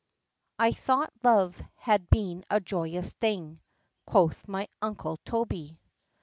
"'I thought love had been a joyous thing,' quoth my uncle Toby."